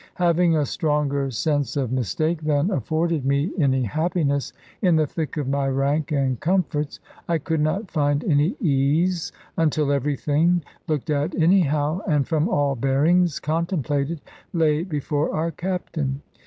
Having a stronger sense of mistake than afforded me any happiness in the thick of my rank and comforts I could not find any ease until everything, looked at anyhow, and from all bearings contemplated, lay before our Captain.